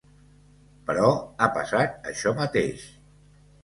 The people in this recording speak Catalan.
Però ha passat això mateix.